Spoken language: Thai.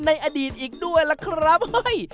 ในอดีตอีกด้วยล่ะครับเฮ้ย